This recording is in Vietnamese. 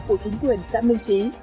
của chính quyền xã minh chí